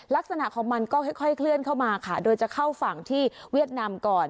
ลักษณะของมันก็ค่อยเคลื่อนเข้ามาค่ะโดยจะเข้าฝั่งที่เวียดนามก่อน